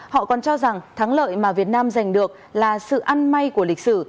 họ còn cho rằng thắng lợi mà việt nam giành được là sự ăn may của lịch sử